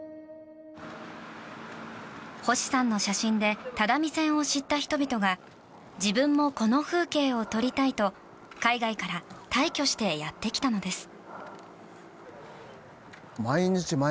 星さんの写真で只見線を知った人々が自分もこの風景を撮りたいと海外から大挙してやってきたのです。